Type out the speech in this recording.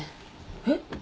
えっ？